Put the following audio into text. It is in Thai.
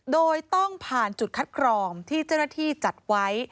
โดยต้องผ่านจุดคัดกรองที่เจ้าหน้าที่จัดไว้